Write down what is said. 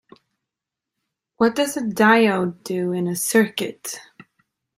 What does a diode do in a circuit?